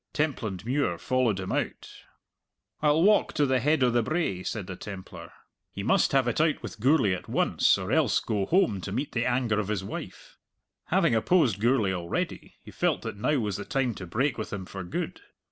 Templandmuir followed him out. "I'll walk to the head o' the brae," said the Templar. He must have it out with Gourlay at once, or else go home to meet the anger of his wife. Having opposed Gourlay already, he felt that now was the time to break with him for good.